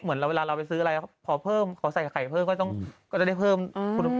เหมือนเวลาเราไปซื้ออะไรพอเพิ่มขอใส่กับไข่เพิ่มก็จะได้เพิ่มคุณประโยชน์ด้วย